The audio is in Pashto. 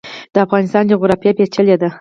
د افغانستان جغرافیا پیچلې ده